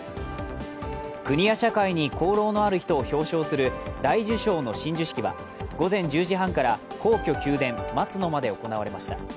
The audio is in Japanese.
国や社会に功労のある人を表彰する大綬章の親授式は午前１０時半から皇居・宮殿松の間で行われました。